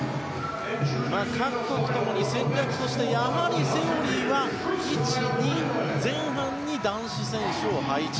各国ともに戦略としてやはりセオリーは１、２前半に男子選手を配置。